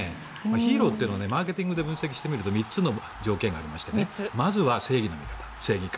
ヒーローというのはマーケティングで分析してみると３つの条件があってまずは正義の味方、正義感。